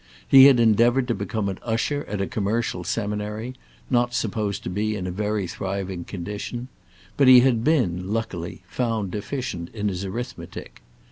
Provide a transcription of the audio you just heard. He had endeavoured to become an usher at a commercial seminary, not supposed to be in a very thriving condition; but he had been, luckily, found deficient in his arithmetic.